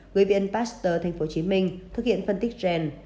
gửi viện pasteur tp hcm thực hiện phân tích gen